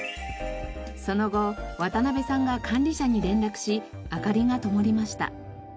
その後渡部さんが管理者に連絡し明かりがともりました。